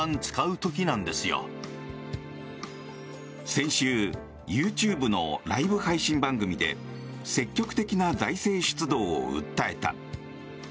先週、ＹｏｕＴｕｂｅのライブ配信番組で積極的な財政出動を訴えた。